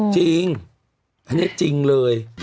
จริงจริงเลย